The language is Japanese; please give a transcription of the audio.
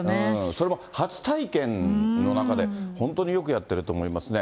それも初体験の中で、本当によくやってると思いますね。